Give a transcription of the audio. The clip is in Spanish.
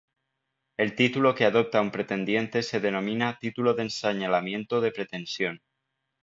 El título que adopta un pretendiente se denomina título de señalamiento o de pretensión.